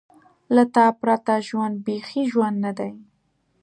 له تا پرته ژوند بېخي ژوند نه دی.